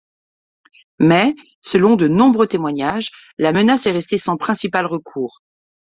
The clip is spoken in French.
Mais, selon de nombreux témoignages, la menace est restée son principal recours.